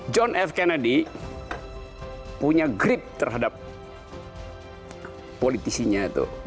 john f kennedy punya grip terhadap politisinya itu